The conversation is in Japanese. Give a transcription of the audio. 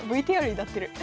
ＶＴＲになってる。